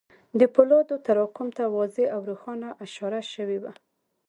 د پولادو تراکم ته واضح او روښانه اشاره شوې وه